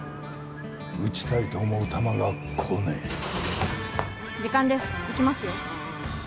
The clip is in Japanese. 打ちたいと思う球が来ねえ時間です行きますよ